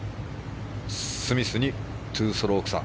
スミスに２ストローク差。